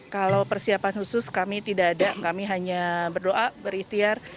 kalau persiapan khusus kami tidak ada kami hanya berdoa berikhtiar